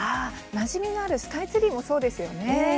なじみあるスカイツリーもそうですよね。